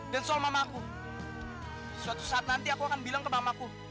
dan soal mamaku suatu saat nanti aku akan bilang ke mamaku